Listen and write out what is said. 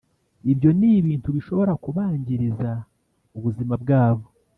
ibyo ni ibintu bishobora kubangiriza ubuzima bwabo